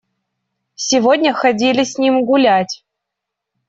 Сегодня ходили с ним гулять.